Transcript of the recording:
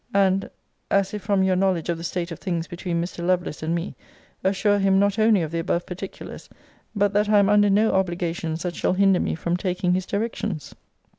And (as if from your knowledge of the state of things between Mr. Lovelace and me) assure him not only of the above particulars, but that I am under no obligations that shall hinder me from taking his directions?'